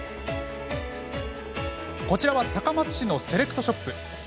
こちらは高松市のセレクトショップ。